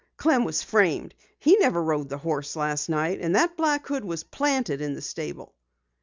"Clem was framed. He never rode the horse last night, and that black hood was planted in the stable."